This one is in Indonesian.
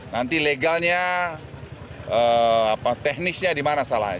nanti legalnya teknisnya di mana salahnya